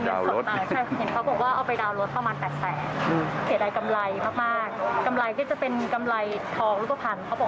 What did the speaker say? ๒ล้านกว่าบาทนะครับ